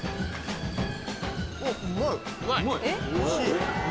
・おいしい？